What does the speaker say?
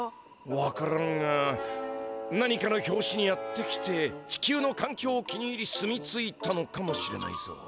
分からんが何かのひょうしにやって来て地球のかんきょうを気に入り住み着いたのかもしれないぞ。